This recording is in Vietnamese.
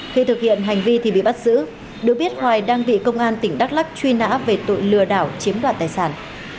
khi thực hiện hành vi thì bị bắt giữ được biết hoài đang bị công an tỉnh đắk lắc truy nã về tội lừa đảo chiếm đoạt tài sản